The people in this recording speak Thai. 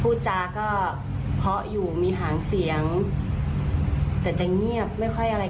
พูดจาก็ออยู่มีหางเสียงแต่จะเงียบไม่ค่อยอะไร